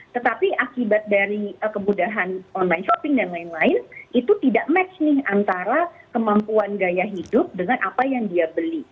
tetapi akibat dari kemudahan online shopping dan lain lain itu tidak match nih antara kemampuan gaya hidup dengan apa yang dia beli